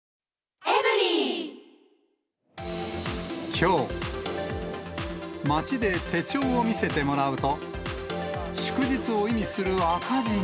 きょう、街で手帳を見せてもらうと、祝日を意味する赤字に。